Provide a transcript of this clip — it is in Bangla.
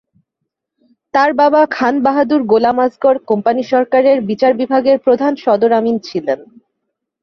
তার বাবা খান বাহাদুর গোলাম আসগর কোম্পানি সরকারের বিচার বিভাগের প্রধান সদর আমিন ছিলেন।